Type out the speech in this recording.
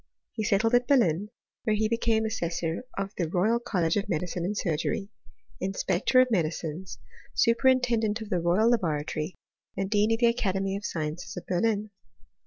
He settled at Berlin, where he became assessor of the Royal College of Medicine and Surgery, inspector of medicines, superintendent of the Royal Laboratory, and dean of the Academy of Sciences of Berlin.